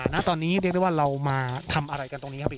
ณตอนนี้เรียกได้ว่าเรามาทำอะไรกันตรงนี้ครับพี่